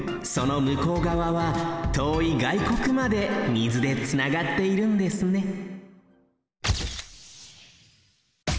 その向こうがわはとおいがいこくまで水でつながっているんですね